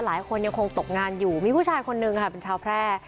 หลายคนยังคงตกงานอยู่มีผู้ชายคนนึงค่ะเป็นชาวแพร่